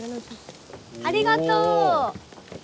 ありがとう！